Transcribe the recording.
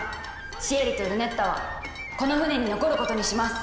シエリとルネッタはこの船に残ることにします」。